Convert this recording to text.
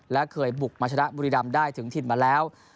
และเคยบุกมาชนะบุรีรำได้ถึงถิ่นมาแล้ว